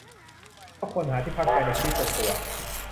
ก็ควรหาที่พักใจในชีวิตส่วนตัว